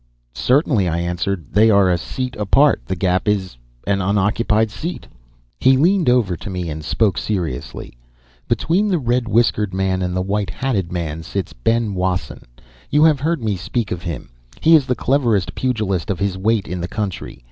"Certainly," I answered. "They are a seat apart. The gap is the unoccupied seat." He leaned over to me and spoke seriously. "Between the red whiskered man and the white hatted man sits Ben Wasson. You have heard me speak of him. He is the cleverest pugilist of his weight in the country.